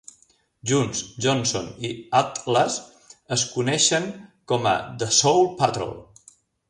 Junts, Johnson i Altas es coneixen com a "The Soul Patrol".